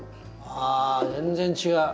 あ全然違う。